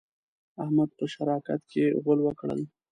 احمد په شراکت کې غول وکړل.